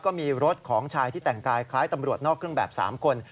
ก็มีรถของชายที่แต่งกายคล้ายตำรวจนอกเครื่องแบบ๓คน